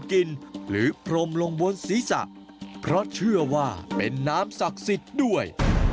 หรือพรมลงบนศีรษะเพราะเชื่อว่าเป็นน้ำศักดิ์สิทธิ์ด้วย